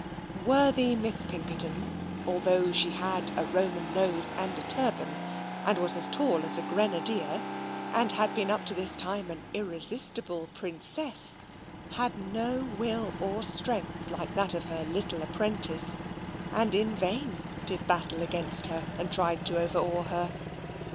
Worthy Miss Pinkerton, although she had a Roman nose and a turban, and was as tall as a grenadier, and had been up to this time an irresistible princess, had no will or strength like that of her little apprentice, and in vain did battle against her, and tried to overawe her.